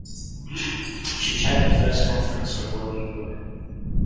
She chaired the First Conference of Working Women.